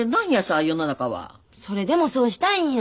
それでもそうしたいんや。